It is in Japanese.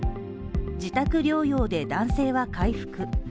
自宅療養で男性は回復。